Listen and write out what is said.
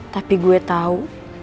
tapi gue tau